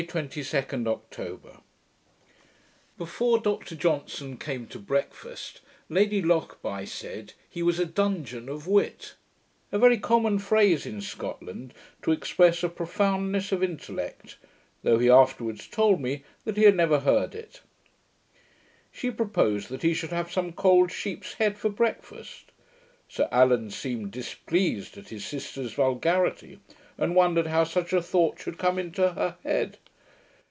Friday, 22d October Before Dr Johnson came to breakfast, Lady Lochbuy said, 'he was a DUNGEON of wit'; a very common phrase in Scotland to express a profoundness of intellect, though he afterwards told me, that he never had heard it. She proposed that he should have some cold sheep's head for breakfast. Sir Allan seemed displeased at his sister's vulgarity, and wondered how such a thought should come into her head.